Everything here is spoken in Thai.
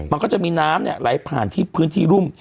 มันก็จะมีน้ำไหลผ่านที่พื้นที่รุ่ม